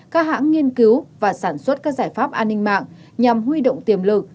các hãng nghiên cứu và sản xuất các giải pháp an ninh mạng nhằm huy động tiềm lực